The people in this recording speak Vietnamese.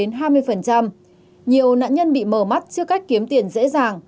nhiều nạn nhân bị mờ mắt trước cách kiếm tiền dễ dàng